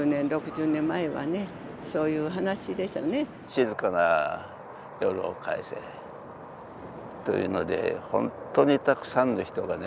静かな夜を返せというので本当にたくさんの人がね